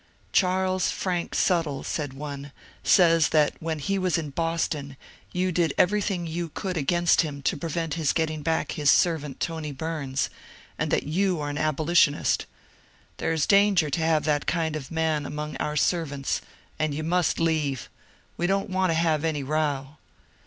^^ Charles Frank Suttle," said one, ^ says that when he was in Boston you did everything you could against him to prevent his getting back his servant Tony Bums, and that you are an abolitionist. There is danger to have that kind of man among our servants, and you must leave. We don't want to have any row."